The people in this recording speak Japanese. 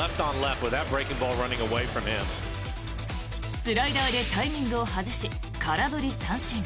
スライダーでタイミングを外し空振り三振。